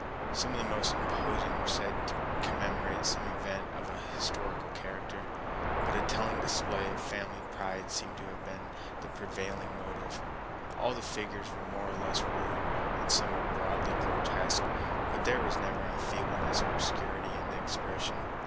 Some of the most imposing were said to commemorate some event of an historical character. But a telling display of family pride seemed to have been the prevailing motive. All the figures were more or less rude, and some were broadly grotesque, but there was never any feebleness or obscurity in the expression.